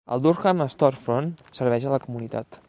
El Durham Storefront serveix a la comunitat.